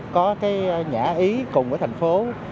có cái nhã ý cùng với thành phố